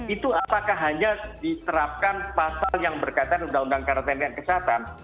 itu apakah hanya diserapkan pasal yang berkaitan dengan undang undang kekarantinaan kesehatan